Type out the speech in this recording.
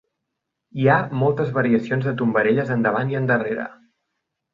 Hi ha moltes variacions de tombarelles endavant i endarrere.